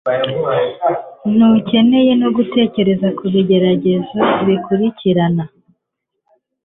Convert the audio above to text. Ntukeneye no gutekereza ku bigeragezo bikurikirana